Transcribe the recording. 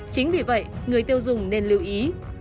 chính vì vậy người tiêu dùng nên lưu ý